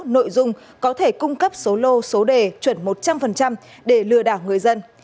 nội dung có thể cung cấp số lô số đề chuẩn một trăm linh để lừa đảo người dân